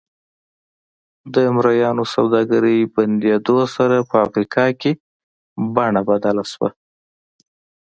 د مریانو سوداګرۍ بندېدو سره په افریقا کې بڼه بدله شوه.